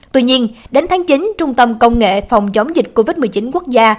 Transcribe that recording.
tuy nhiên đến tháng chín trung tâm công nghệ phòng chống dịch covid một mươi chín quốc gia